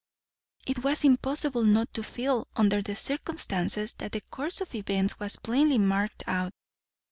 It was impossible not to feel, under the circumstances, that the course of events was plainly marked out.